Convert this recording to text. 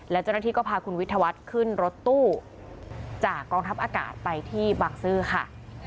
และเจ้าหน้าที่ก็พาคุณวิทยาวัฒน์ขึ้นรถตู้จากกองทัพอากาศไปที่บางซื่อค่ะ